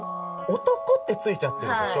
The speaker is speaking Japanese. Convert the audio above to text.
男ってついちゃってるでしょ。